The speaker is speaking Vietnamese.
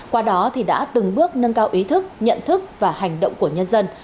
qua đó thì đã từng bước nâng cao ý thức nhận thức và hành động của nhân dân